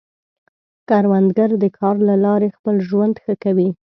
کروندګر د کار له لارې خپل ژوند ښه کوي